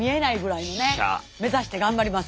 目指して頑張ります。